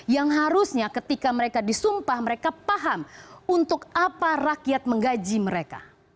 yang harusnya ketika mereka disumpah mereka paham untuk apa rakyat menggaji mereka